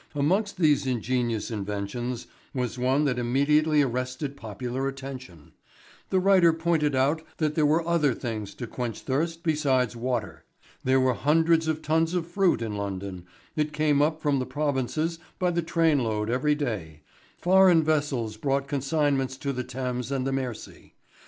Amongst these ingenious inventions was one that immediately arrested popular attention. The writer pointed out that there were other things to quench thirst besides water. There were hundred of tons of fruit in London, it came up from the provinces by the trainload every day, foreign vessels brought consignments to the Thames and the Mersey.